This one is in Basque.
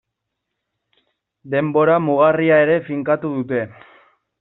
Denbora mugarria ere finkatu dute.